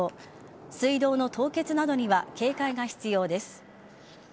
水道の凍結などには警戒が必要です。